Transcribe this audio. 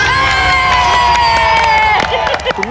ปล่อยเร็วเร็ว